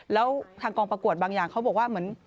แล้วทางกองประกวดบางอย่างเขาบอกว่าเหมือน